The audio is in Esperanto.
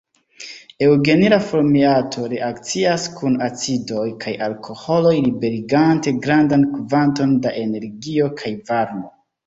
Eŭgenila formiato reakcias kun acidoj kaj alkoholoj liberigante grandan kvanton da energio kaj varmo.